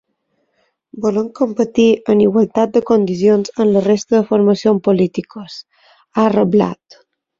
Volem competir en igualtat de condicions amb la resta de formacions polítiques, ha reblat.